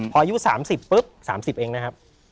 พออายุ๓๐ปุ๊บ๓๐เองนะครับ